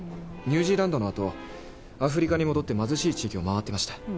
ニュージーランドのあとはアフリカに戻って貧しい地域を回ってました。